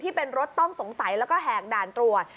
เป็นรถต้องสงสัยแล้วก็แหกด่านตรวจ